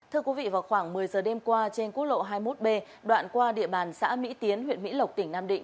thưa quý vị vào khoảng một mươi giờ đêm qua trên quốc lộ hai mươi một b đoạn qua địa bàn xã mỹ tiến huyện mỹ lộc tỉnh nam định